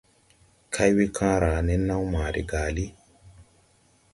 Kay we kããra nen naw ma de gàlí.